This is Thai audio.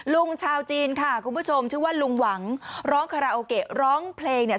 ลุงชาวจีนค่ะคุณผู้ชมชื่อว่าลุงหวังร้องคาราโอเกะร้องเพลงเนี่ย